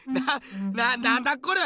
ななんだこれ？